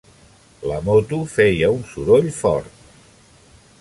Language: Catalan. La moto feia un soroll fort.